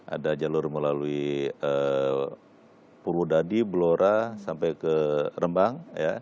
ada jalur melalui purwodadi blora sampai ke rembang